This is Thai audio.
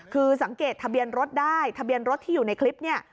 คือสังเกตทะเบียนรถได้ทะเบียนรถที่อยู่ในคลิปเนี่ย